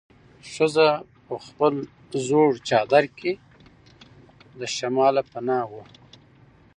ښځه په خپل زوړ چادر کې له شماله پناه وه.